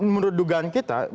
menurut dugaan kita